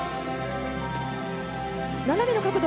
斜めの角度